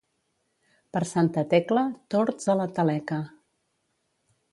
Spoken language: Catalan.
Per Santa Tecla, tords a la taleca.